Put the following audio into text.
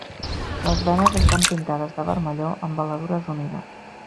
Les venes estan pintades de vermelló amb veladures humides.